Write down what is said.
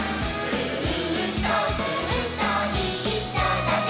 「ずーっとずっといっしょだね」